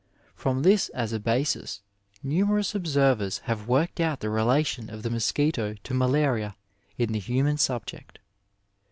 From this as a basis, numerous observers have worked out the relation of the mosquito to malaria in the human subject.